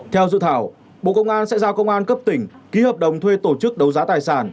theo dự thảo bộ công an sẽ giao công an cấp tỉnh ký hợp đồng thuê tổ chức đấu giá tài sản